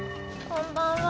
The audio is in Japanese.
こんばんは。